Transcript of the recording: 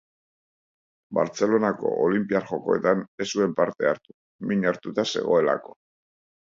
Bartzelonako Olinpiar Jokoetan ez zuen parte hartu, min hartuta zegoelako.